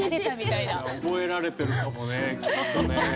いや覚えられてるかもねきっとね。